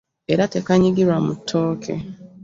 Era tekanyigirwa mu ttooke .